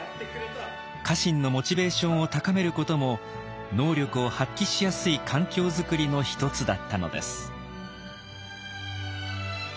家臣のモチベーションを高めることも能力を発揮しやすい環境作りの一つだったのです。